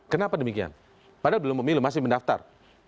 kenapa demikian padahal belum pemilu masih mendaftar